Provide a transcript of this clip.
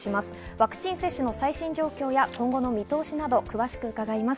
ワクチン接種の最新状況や今後の見通しなど、詳しく伺います。